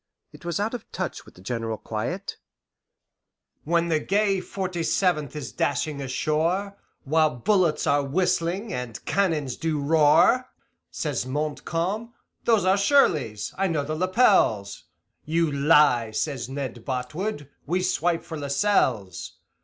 It was out of touch with the general quiet: "When the gay Forty Seventh is dashing ashore, While bullets are whistling and cannons do roar, Says Montcalm, 'Those are Shirleys I know the lapels.' 'You lie,' says Ned Botwood, 'we swipe for Lascelles!